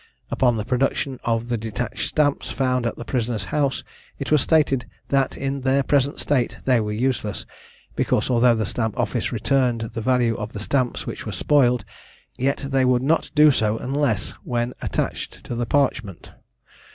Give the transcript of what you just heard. Upon the production of the detached stamps found at the prisoner's house, it was stated that in their present state they were useless, because although the Stamp office returned the value of stamps which were spoiled, yet they would not do so unless when attached to the parchment.